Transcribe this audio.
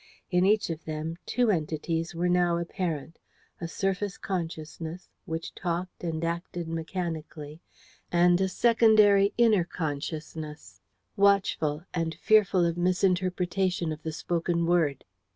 In each of them two entities were now apparent a surface consciousness, which talked and acted mechanically, and a secondary inner consciousness, watchful, and fearful of misinterpretation of the spoken word.